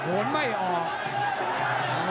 สิทธิ์หายินแล้วต่อยังไม่จบ